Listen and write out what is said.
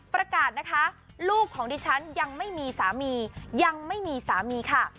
ประกาศนะคะลูกของดิฉันยังไม่มีสามียังไม่มีสามีค่ะ